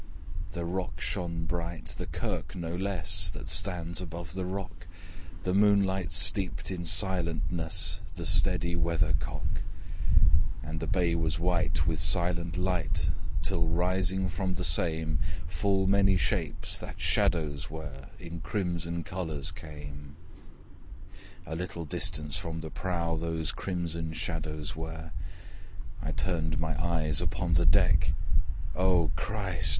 The rock shone bright, the kirk no less, That stands above the rock: The moonlight steeped in silentness The steady weathercock. And the bay was white with silent light, Till rising from the same, THe moonlight steeped in silentness The steady weathercock. The angelic spirits leave the dead bodies, A little distance from the prow Those crimson shadows were: I turned my eyes upon the deck Oh, Christ!